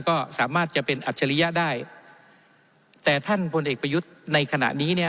ก็สามารถจะเป็นอัจฉริยะได้แต่ท่านพลเอกประยุทธ์ในขณะนี้เนี่ย